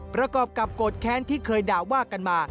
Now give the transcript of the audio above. ประกอบกับโกรธแค้นที่เคยด่าว่ากันมา